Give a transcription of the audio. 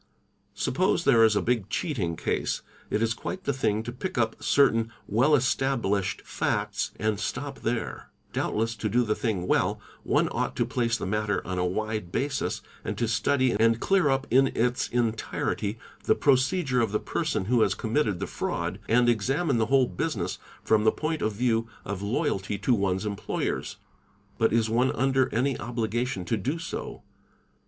' Suppose there is a big cheating case, it is quite the thing to pick up certain "well established'' facts and stop there; doubtless to do the thing well one ought to place the matter on a wide basis and to study and clear up in its entirety the procedure of the person who has committed fraud and examine the whole business from the point of view of ep ovalty to one's employers: but is one under any obligation to do so?